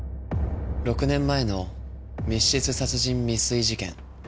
６年前の密室殺人未遂事件。